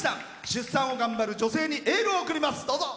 出産を頑張る女性にエールを送ります。